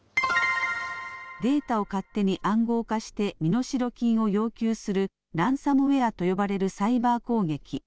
データを勝手に暗号化して身代金を要求するランサムウェアと呼ばれるサイバー攻撃。